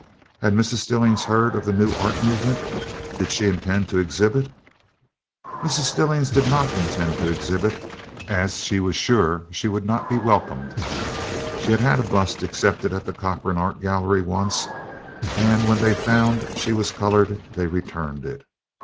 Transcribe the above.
Had Mrs. Stillings heard of the new art movement? Did she intend to exhibit? Mrs. Stillings did not intend to exhibit as she was sure she would not be welcome. She had had a bust accepted by the Corcoran Art Gallery once, and when they found she was colored they returned it.